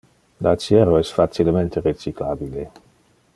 Le aciero es facilemente recyclabile.